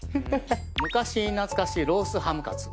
昔懐かしロースハムカツ。